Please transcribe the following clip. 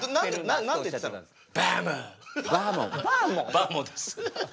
バーモです。